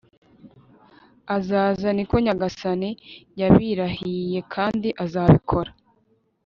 azaza. niko nyagasani yabirahiye kandi azabikora